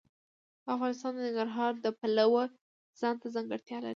افغانستان د ننګرهار د پلوه ځانته ځانګړتیا لري.